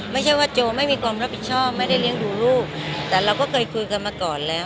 ไม่ใช่ว่าโจไม่มีความรับผิดชอบไม่ได้เลี้ยงดูลูกแต่เราก็เคยคุยกันมาก่อนแล้ว